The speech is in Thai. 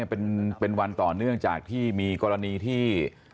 เป็นวันต่อเนื่องจากที่มีกรณีที่